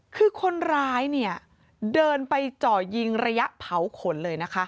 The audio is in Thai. คือคนร้ายเนี่ยเดินไปเจาะยิงระยะเผาขนเลยนะคะ